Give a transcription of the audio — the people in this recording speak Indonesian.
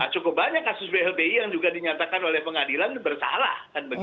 cukup banyak kasus blbi yang juga dinyatakan oleh pengadilan bersalah